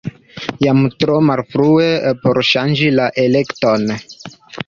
Jam tro malfrue por ŝanĝi la elekton.